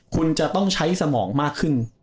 คุณจะต้องใช้สมองมากขึ้น